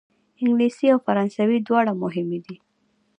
انګلیسي او فرانسوي دواړه مهمې دي.